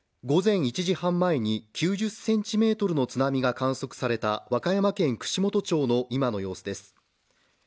午前１時半前に９０ｃｍの津波が観測された和歌山県串本町の今の様子です。